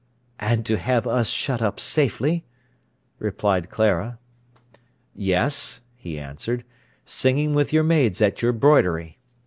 "And to have us shut up safely?" replied Clara. "Yes," he answered, "singing with your maids at your broidery.